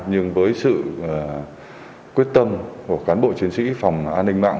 nhưng với sự quyết tâm của cán bộ chiến sĩ phòng an ninh mạng